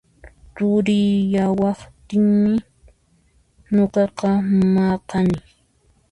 Turiyawaqtinmi nuqaqa maqani